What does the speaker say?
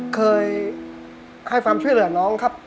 เคยให้ความช่วยเหลือน้องครับ